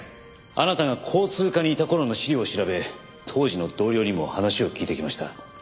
あなたが交通課にいた頃の資料を調べ当時の同僚にも話を聞いてきました。